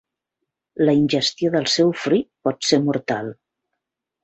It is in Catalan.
La ingestió del seu fruit pot ser mortal.